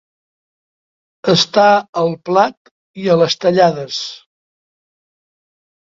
Estar al plat i a les tallades.